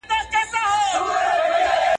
موږ باید د حق په لاره کي یوزي نه سو.